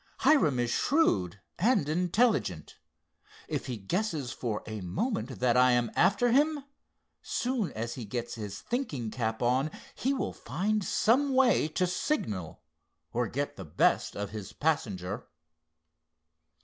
Hiram is shrewd and intelligent. If he guesses for a moment that I am after him, soon as he gets his thinking cap on he will find some way to signal, or get the best of his passenger."